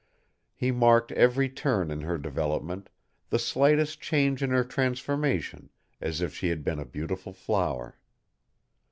He marked every turn in her development, the slightest change in her transformation, as if she had been a beautiful flower.